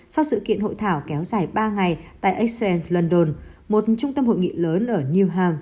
sau sự kiện hội thảo kéo dài ba ngày tại exxon london một trung tâm hội nghị lớn ở newham